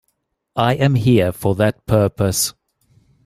I am here for that purpose.